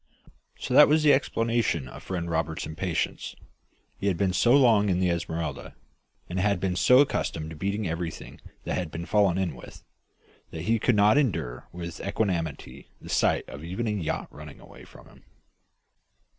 So that was the explanation of friend Roberts's impatience! He had been so long in the Esmeralda, and had been so accustomed to beating everything that had been fallen in with, that he could not endure with equanimity the sight of even a yacht running away from him.